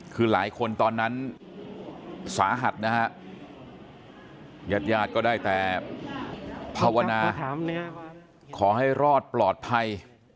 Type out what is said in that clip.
คือหลายคนตอนนั้นสาหัสนะฮะญาติญาติก็ได้แต่ภาวนาขอให้รอดปลอดภัย